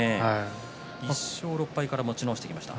１勝６敗から持ち直してきました。